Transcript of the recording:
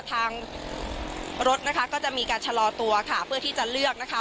ทางรถนะคะก็จะมีการชะลอตัวค่ะเพื่อที่จะเลือกนะคะ